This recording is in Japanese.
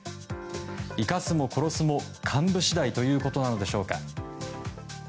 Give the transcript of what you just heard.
生かすも殺すも幹部次第ということなのでしょうか。